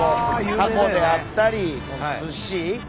たこであったりすし。